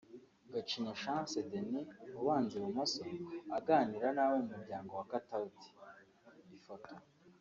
Gacinya Chance Dennis (Ubanza i bumoso) aganira nabo mu muryango wa Katauti (Ifoto